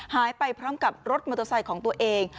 หายไปพร้อมกับรถมอเตอร์ไซค์ของตัวเอง